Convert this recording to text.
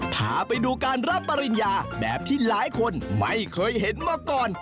พาไปดูการรับปริญญาแบบที่หลายคนไม่เคยเห็นมาก่อน